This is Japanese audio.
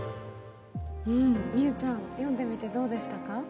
美羽ちゃん、読んでみていかがでしたか？